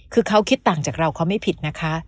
คือเขาคิดต่างจากเราเขาไม่ผิดนะคะ